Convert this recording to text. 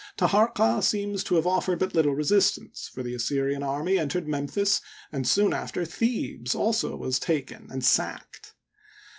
Taharqa seems to have offered but little re sistance, for the Assyrian army entered Memphis, and soon after Thebes also was taken and sacked.